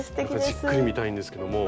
じっくり見たいんですけども。